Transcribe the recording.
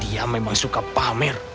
dia memang suka pamir